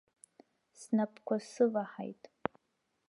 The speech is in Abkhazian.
Снапқәа сываҳаит.